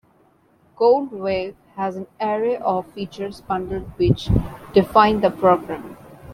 GoldWave has an array of features bundled which define the program.